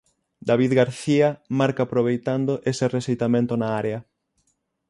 David García marca aproveitando ese rexeitamento na área.